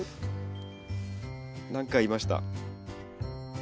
何かいました。